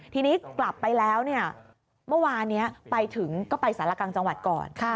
ทีนี้กลับไปแล้วเนี่ยเมื่อวานนี้ไปถึงก็ไปสารกลางจังหวัดก่อน